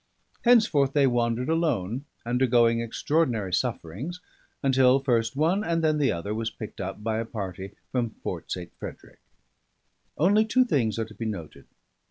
Henceforth they wandered alone, undergoing extraordinary sufferings; until first one and then the other was picked up by a party from Fort St. Frederick. Only two things are to be noted.